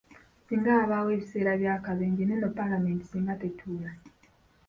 Singa wabaawo ebiseera bya kabenje neeno palamenti singa tetuula.